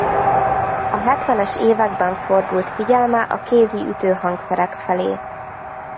A hetvenes években fordult figyelme a kézi ütőhangszerek felé.